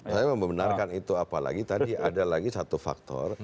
saya membenarkan itu apalagi tadi ada lagi satu faktor